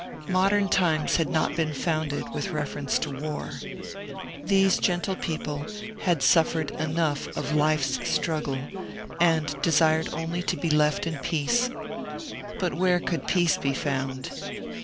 Modem Times had not been founded with reference to war. Those gentle people had suffered enough of life's struggle, and desired only to be left in peace. But where could peace be found